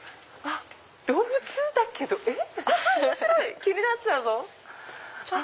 動物だけどえっ？